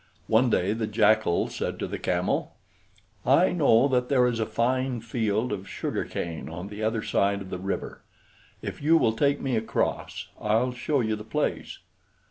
One day the Jackal said to the Camel, "I know that there is a fine field of sugarcane on the other side of the river. If you will take me across, I'll show you the place.